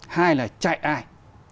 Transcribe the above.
hai là chạy ai